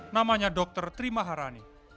namanya dr tri maharani